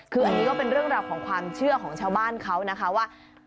คืออันนี้ก็เป็นเรื่องราวของความเชื่อของชาวบ้านเขานะคะว่า